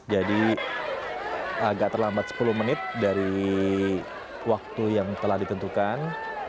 jadi agak terlambat sepuluh menit dari waktu yang telah ditentukan